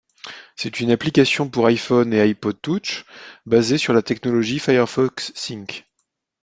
C'est une application pour iPhone et iPod Touch, basée sur la technologie Firefox Sync.